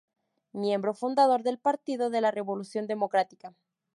Miembro Fundador del Partido de la Revolución Democrática.